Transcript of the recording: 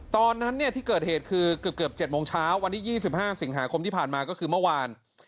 ตอนนั้นที่เกิดเหตุคือเกือบ๗โมงเช้าวันที่๒๕สิงหาคมที่ผ่านมาก็คือเมื่อวาน